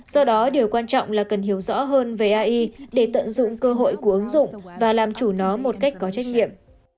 do đó điều quan trọng là cần hiểu rõ hơn về ai để tận dụng cơ hội của ứng dụng và làm chủ nó một cách có trách nhiệm